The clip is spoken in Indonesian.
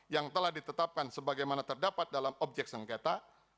yang telah ditetapkan sebagaimana terdapat dalam objek sengketa